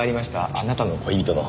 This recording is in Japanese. あなたの恋人の。